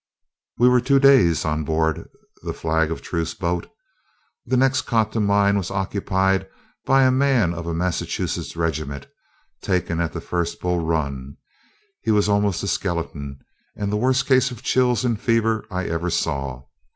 We were two days on board the flag of truce boat. The next cot to mine was occupied by a man of a Massachusetts regiment, taken at the first Bull Run. He was almost a skeleton, and the worst case of chills and fever I ever saw.